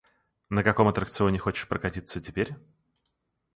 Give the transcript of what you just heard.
На каком аттракционе хочешь прокатиться теперь?